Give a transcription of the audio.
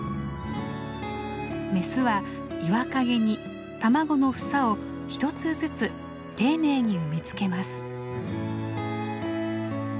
メスは岩陰に卵の房を１つずつ丁寧に産み付けます。